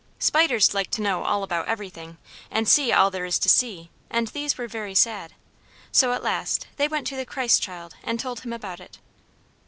Spiders like to know all about everything, and see all there is to see, and these were very sad. So at last they went to the Christ child and told him about it.